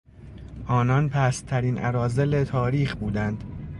آنان پستترین اراذل تاریخ بودند.